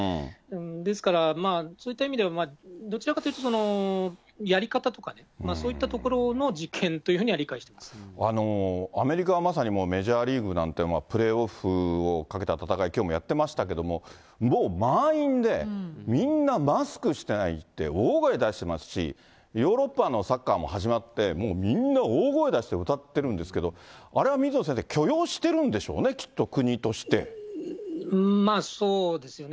ですから、そういった意味では、どちらかというと、やり方とかね、そういったところの実験というふうには理解してまアメリカはまさにメジャーリーグなんて、プレーオフをかけた戦い、きょうもやってましたけれども、もう満員で、みんなマスクしてないって、大声出してますし、ヨーロッパのサッカーも始まって、もうみんな大声出して歌ってるんですけど、あれは水野先生、許容してるんでしょうね、そうですよね。